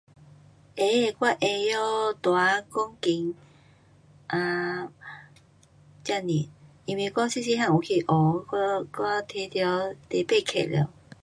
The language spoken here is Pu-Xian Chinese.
ei, gua ei yo duan go ging , jian ni, yi wei gua se se han ki o, gua te diu te bei ki liao